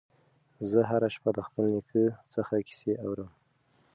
زه هره شپه د خپل نیکه څخه کیسې اورم.